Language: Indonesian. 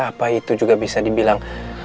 apa itu juga bisa dibilang